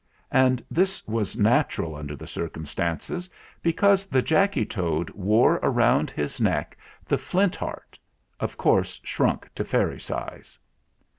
And this was natural under the circumstances, because the Jacky Toad wore round his neck the Flint Heart of course shrunk to fairy size.